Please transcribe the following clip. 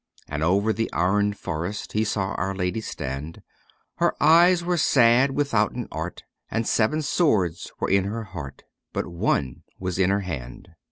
And over the iron forest He saw Our Lady stand, Her eyes were sad withouten art And seven swords were in her heart, But one was in her hand.